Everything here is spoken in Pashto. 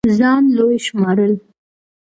ځان لوے شمارل